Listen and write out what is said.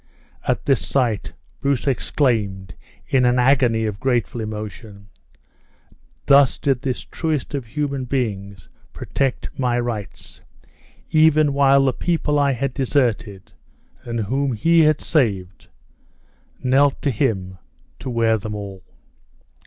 At this sight, Bruce exclaimed, in an agony of grateful emotion, "Thus did this truest of human beings protect my rights, even while the people I had deserted, and whom he had saved, knelt to him to wear them all!"